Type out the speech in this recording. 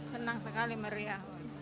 senang sekali maria